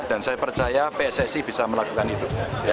dan saya percaya pssi bisa melakukan itu